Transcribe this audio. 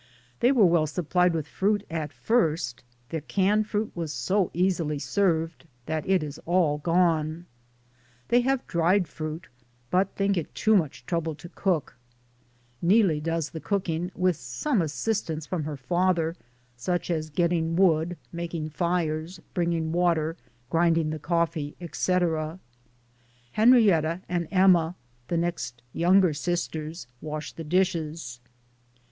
They were well supplied with fruit at first; the canned fruit was so easily served that it is all gone. They have dried fruit, but think it too much trouble to cook. Neelie does the Ii6 DAYS ON THE ROAD. cooking with some assistance from her fa ther, such as getting wood, making fires, bringing water, grinding the coffee, etc. Henrietta and Emma — the next younger sisters — wash the dishes.